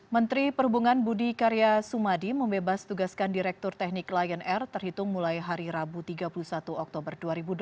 menteri perhubungan budi karya sumadi membebas tugaskan direktur teknik lion air terhitung mulai hari rabu tiga puluh satu oktober dua ribu delapan belas